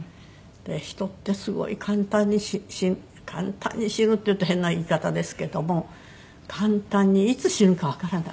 人ってすごい簡単に死簡単に死ぬって言うと変な言い方ですけども簡単にいつ死ぬかわからない。